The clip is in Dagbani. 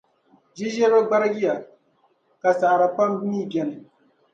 Ʒiʒiriba gbarigiya; ka saɣiri pam mi beni.